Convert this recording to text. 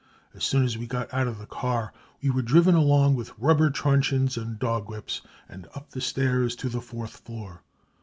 As soon as we got out of the car we were driven along with rubber truncheons and dog whips, and up the stairs to the fourth floor.